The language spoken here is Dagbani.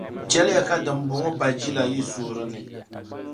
Chɛliya ka dimbɔŋɔ ba jila yi suhuri ni.